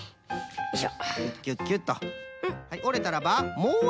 よいしょ。